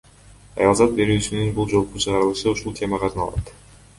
Аялзат берүүсүнүн бул жолку чыгарылышы ушул темага арналат.